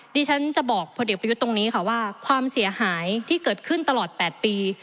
ดิฉันจะบอกพลเอกประยุทธ์ตรงนี้ค่ะว่าความเสียหายที่เกิดขึ้นตลอด๘ปี